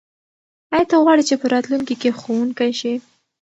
آیا ته غواړې چې په راتلونکي کې ښوونکی شې؟